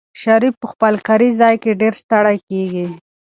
شریف په خپل کاري ځای کې ډېر ستړی کېږي.